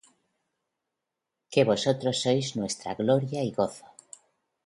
Que vosotros sois nuestra gloria y gozo.